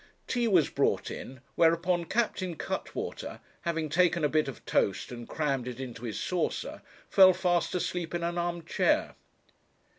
Tea was brought in, whereupon Captain Cuttwater, having taken a bit of toast and crammed it into his saucer, fell fast asleep in an arm chair.